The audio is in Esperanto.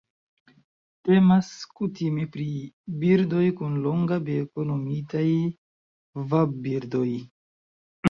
Temas kutime pri birdoj kun longa beko nomitaj vadbirdoj.